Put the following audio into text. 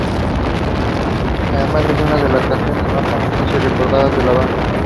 Además, es una de las canciones más famosas y recordadas de la banda.